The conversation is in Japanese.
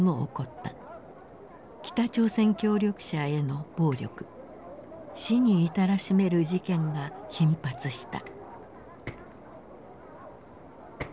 北朝鮮協力者への暴力死に至らしめる事件が頻発した。